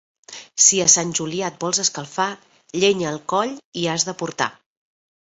Si a Sant Julià et vols escalfar, llenya al coll hi has de portar.